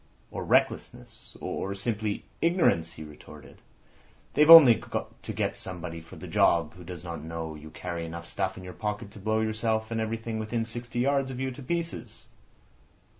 "Or recklessness—or simply ignorance," he retorted. "They've only to get somebody for the job who does not know you carry enough stuff in your pocket to blow yourself and everything within sixty yards of you to pieces."